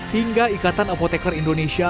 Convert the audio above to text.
hingga ikatan apotekar indonesia